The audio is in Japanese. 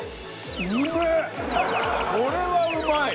これはうまい！